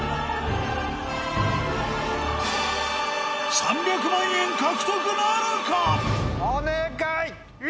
３００万円獲得なるか⁉お願い！